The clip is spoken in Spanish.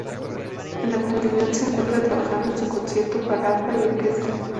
En la actualidad se encuentra trabajando en su concierto para arpa y orquesta.